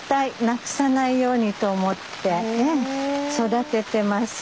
なくさないようにと思って育ててます。